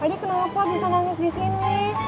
ini kenapa bisa nangis di sini